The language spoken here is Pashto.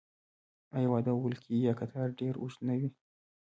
آیا د واده ولکۍ یا قطار ډیر اوږد نه وي؟